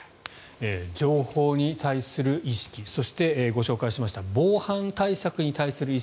情報に対する意識そして、ご紹介しました防犯対策に対する意識